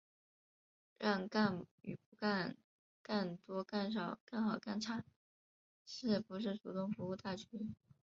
让干与不干、干多干少、干好干差、是不是主动服务大局、